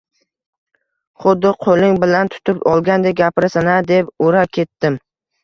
Xuddi qoʻling bilan tutib olgandek gapirasan a, deb ura ketdim